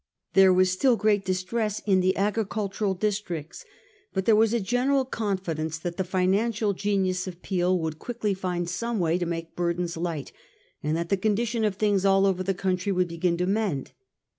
There was still great distress in the agricultural districts ; but there was a general confi dence that the financial genius of Peel would quickly find some way to make burdens light, and that the condition of things all over the country would begin to mend.